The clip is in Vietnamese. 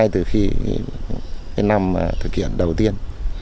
từ khi cái năm thực hiện đầu tiên